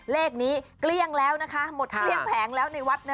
เลขนี้เกลี้ยงแล้วนะคะหมดเกลี้ยงแผงแล้วในวัด